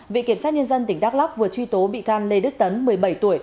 viện kiểm sát nhân dân tỉnh đắk lắc vừa truy tố bị can lê đức tấn một mươi bảy tuổi